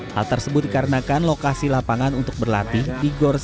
hal tersebut dikarenakan lokasi lapangan untuk berlengah kembali